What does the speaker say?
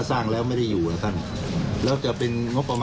ต้องไปจัดหาที่ใหม่ครับ